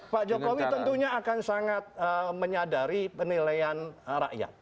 pak jokowi tentunya akan sangat menyadari penilaian rakyat